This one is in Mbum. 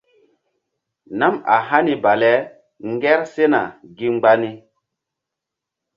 Nam a hani bale ŋger sena gi mgba ni.